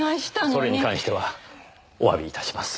それに関してはお詫び致します。